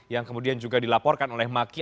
yang kemudian juga dilaporkan oleh maki